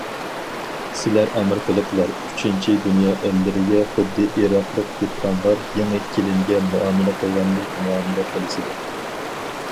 سىلەر ئامېرىكىلىقلار، ئۈچىنچى دۇنيا ئەللىرىگە، خۇددى ئىراقلىق دېھقانلار يېڭى كېلىنگە مۇئامىلە قىلغاندەك مۇئامىلە قالىسىلەر.